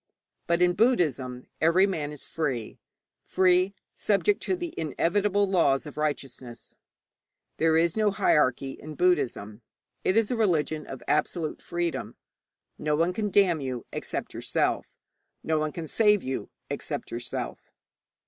But in Buddhism every man is free free, subject to the inevitable laws of righteousness. There is no hierarchy in Buddhism: it is a religion of absolute freedom. No one can damn you except yourself; no one can save you except yourself.